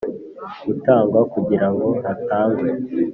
Gutangwa kugira ngo hatangwe